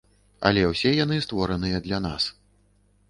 Але ўсе яны створаныя для нас.